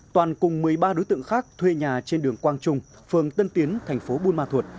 toàn cùng một mươi ba đối tượng khác thuê nhà trên đường quang trung phường tân tiến thành phố buôn ma thuột